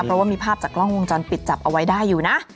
เพราะว่ามีภาพจากกล้องวงจรปิดจับเอาไว้ได้อยู่นะ